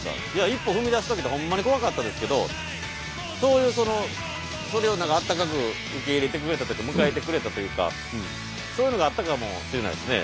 一歩踏み出すときってほんまに怖かったですけどとはいえそれを何かあったかく受け入れてくれたというか迎えてくれたというかそういうのがあったかもしれないですね。